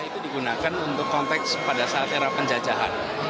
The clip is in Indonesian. itu digunakan untuk konteks pada saat era penjajahan